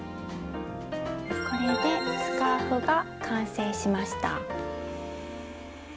これでスカーフが完成しました。